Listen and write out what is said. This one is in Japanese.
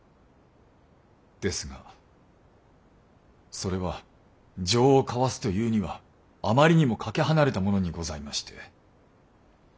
ですがそれは情を交わすというにはあまりにもかけ離れたものにございまして。